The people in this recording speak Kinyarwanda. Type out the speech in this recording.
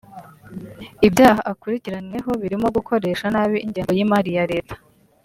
Ibyaha akurikiranyweho birimo gukoresha nabi ingengo y’imari ya leta